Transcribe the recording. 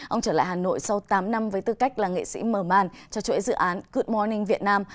ông trở lại hà nội sau tám năm với tư cách là nghệ sĩ mờ màn cho chuỗi dự án good morning việt nam